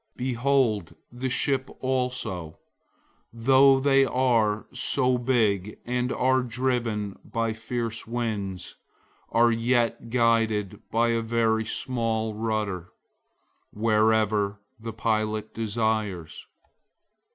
003:004 Behold, the ships also, though they are so big and are driven by fierce winds, are yet guided by a very small rudder, wherever the pilot desires.